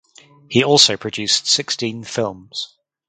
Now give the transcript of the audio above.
He also produced sixteen films.